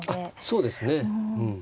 そうですね。